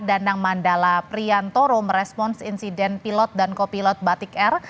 dan nangmandala priyantoro merespons insiden pilot dan kopilot batik air